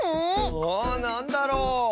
ああなんだろう？